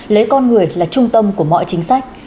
lấy con người là trung tâm của mọi chính sách